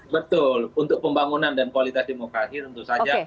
betul untuk pembangunan dan kualitas demokrasi tentu saja